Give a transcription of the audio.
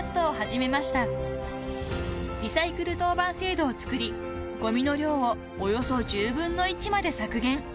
［リサイクル当番制度を作りごみの量をおよそ１０分の１まで削減］